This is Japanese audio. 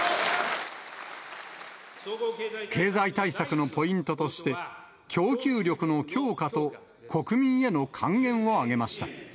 経済対策のポイントとして供給力の強化と国民への還元を挙げました。